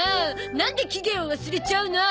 なんで期限を忘れちゃうの？